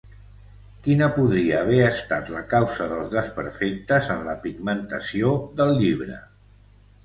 Quina podria haver estat la causa dels desperfectes en la pigmentació del llibre?